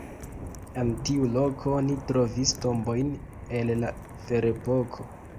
En tiu loko oni trovis tombojn el la ferepoko.